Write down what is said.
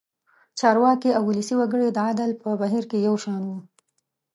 چارواکي او ولسي وګړي د عدل په بهیر کې یو شان وو.